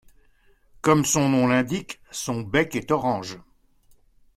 Comme son nom l'indique, son bec est orange.